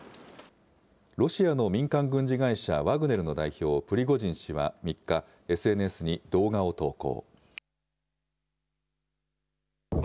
ロシアの民間軍事会社、ワグネルの代表、プリゴジン氏は３日、ＳＮＳに動画を投稿。